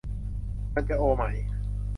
มันจะโอไหม